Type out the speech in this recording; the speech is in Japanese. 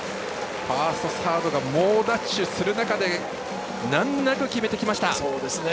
ファーストサードが猛ダッシュする中で難なく決めてきました。